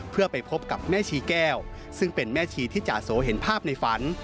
เพื่อไปพบกับแม่ชีแก้วซึ่งเป็นแม่ชีที่จาโสเห็นภาพในฝัน